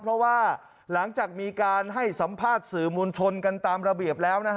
เพราะว่าหลังจากมีการให้สัมภาษณ์สื่อมวลชนกันตามระเบียบแล้ว